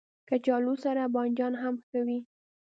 کچالو سره بانجان هم ښه وي